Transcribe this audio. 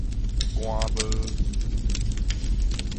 寒帽